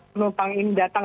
penumpang ini datang